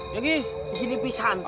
jadi disini pisang t